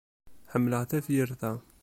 Ḥemmleɣ tafyirt-a.